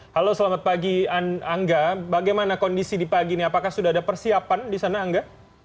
halo selamat pagi angga bagaimana kondisi di pagi ini apakah sudah ada persiapan di sana angga